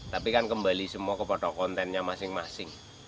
tapi kan kembali semua ke podok kontennya masing masing